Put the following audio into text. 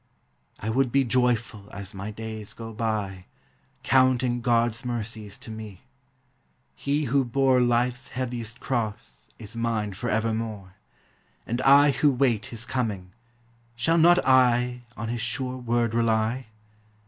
I would be joyful as my days go by, Counting God's mercies to rue. He who bore Life's heaviest cross is mine forever more, And I who wait his coming, shall not I On his sure word rely?